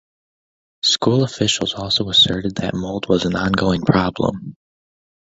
School officials also asserted that mold was an ongoing problem.